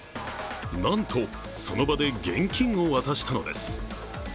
なんと、その場で現金を渡したのです。